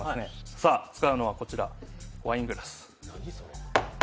さあ、使うのはこちらワイングラス。